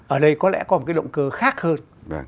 ở đây có lẽ có một cái động cơ khác hơn